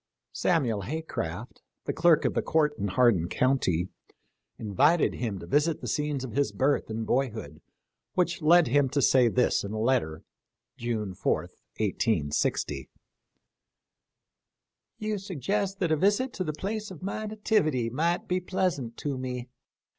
Samuel Haycraft, the clerk of the court in Hardin county, invited him to visit the scenes of his birth and boyhood, which led him to say this in a letter, June 4, i860 :* "You suggest that a visit to the place of my nativity might be pleasant to me.